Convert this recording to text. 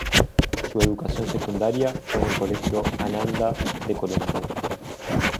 Su educación secundaria fue en el Colegio Ananda de Colombo.